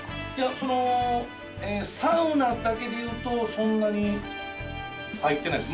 そのサウナだけで言うとそんなに入ってないです